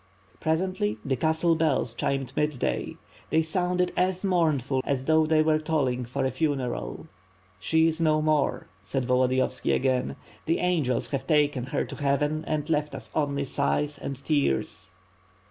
Presently the castle bells chimed midday. They sounded as mournful as though they were tolling for a funeral. "She is no more," said Volodiyovski again. "The angels have taken her to Heaven and left us only sighs and tears."